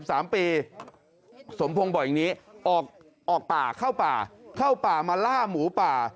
สมพงศ์บอกอย่างนี้ออกป่าเข้าป่ามาล่าหมู่ป่า